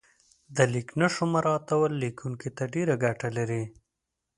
د لیک نښو مراعاتول لیکونکي ته ډېره ګټه لري.